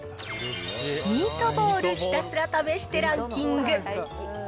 ミートボールひたすら試してランキング。